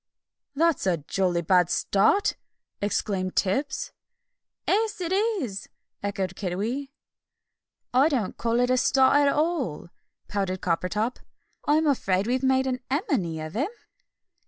"That's a jolly bad start!" exclaimed Tibbs. "'Es, it is!" echoed Kiddiwee. "I don't call it a start at all," pouted Coppertop. "I'm afraid we've made an emeny of him."